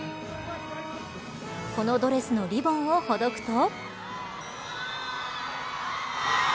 このドレスのリボンをほどくと。